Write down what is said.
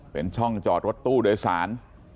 เป็นช่องจอดรถตู้โดยสาร